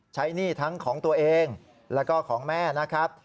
หนี้ทั้งของตัวเองแล้วก็ของแม่นะครับ